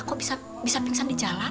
aku bisa pingsan di jalan